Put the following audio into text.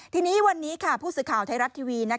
ทีนี้วันนี้ผู้สื่อข่าวไทยรัฐทีวี